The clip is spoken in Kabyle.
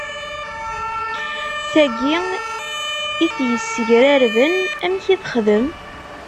Tagi i t-yessegrarben, amek i texdem?